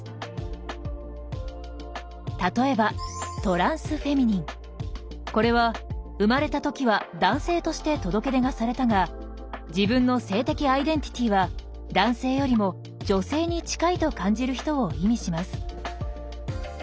例えばこれは生まれた時は男性として届け出がされたが自分の性的アイデンティティーは男性よりも女性に近いと感じる人を意味します。